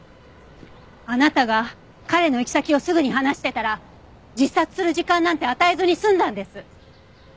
あなたが彼の行き先をすぐに話してたら自殺する時間なんて与えずに済んだんです！